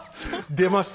出ました